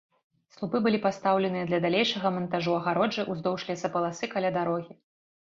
Слупы былі пастаўленыя для далейшага мантажу агароджы ўздоўж лесапаласы каля дарогі.